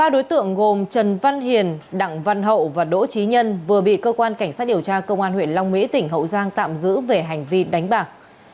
ba đối tượng gồm trần văn hiền đặng văn hậu và đỗ trí nhân vừa bị cơ quan cảnh sát điều tra công an huyện long mỹ tỉnh hậu giang tạm giữ về hành vi đánh bạc